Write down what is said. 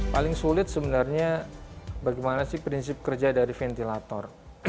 paling sulit sebenarnya bagaimana sih prinsip kerja dari ventilator